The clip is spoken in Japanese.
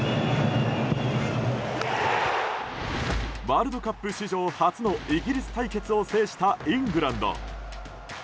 ワールドカップ史上初のイギリス対決を制したイングランド。